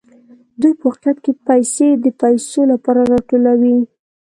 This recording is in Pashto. دوی په واقعیت کې پیسې د پیسو لپاره راټولوي